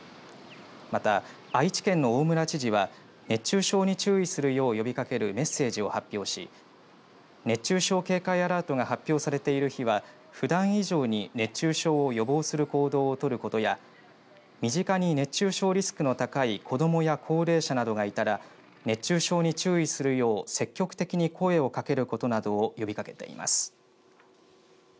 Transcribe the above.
また愛知県の大村知事は熱中症に注意するよう呼びかけるメッセージを発表し熱中症警戒アラートが発表されている日はふだん以上に熱中症を予防する行動を取ることや身近に熱中症リスクの高い子どもや高齢者などがいたら熱中症に注意するよう積極的に声をかけることなどを呼びかけています。